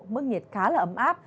mức nhiệt khá là ấm áp